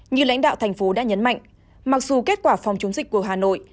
như lãnh đạo thành phố đã nhấn mạnh mặc dù kết quả phòng chống dịch của hà nội